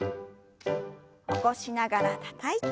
起こしながらたたいて。